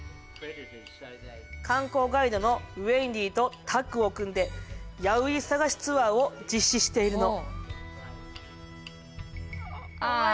観光ガイドのウェンディーとタッグを組んでヤウイ探しツアーを実施しているの。